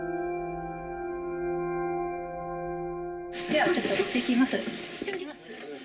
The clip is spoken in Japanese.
ではちょっといってきます。